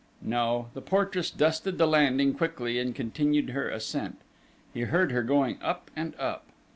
No, the portress dusted the landing quickly and continued her ascent: he heard her going up and up....